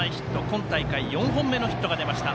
今大会４本目のヒットが出ました。